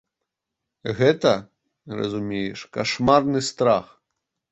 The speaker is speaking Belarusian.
Гэта, разумееш, кашмарны страх.